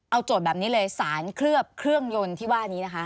เอาโจทย์แบบนี้เลยสารเคลือบเครื่องยนต์ที่ว่านี้นะคะ